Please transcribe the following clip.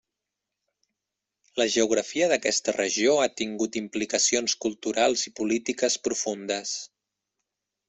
La geografia d'aquesta regió ha tingut implicacions culturals i polítiques profundes.